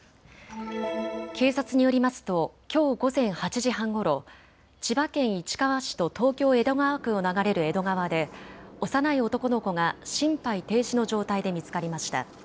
警察によりますときょう午前８時半ごろ、千葉県市川市と東京江戸川区を流れる江戸川で幼い男の子が心肺停止の状態で見つかりました。